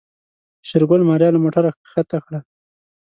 شېرګل ماريا له موټره کښته کړه.